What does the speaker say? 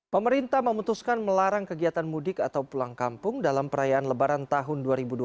pemerintah memutuskan melarang kegiatan mudik atau pulang kampung dalam perayaan lebaran tahun dua ribu dua puluh